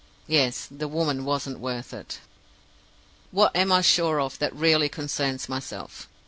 Yes; the woman wasn't worth it. "What am I sure of that really concerns myself?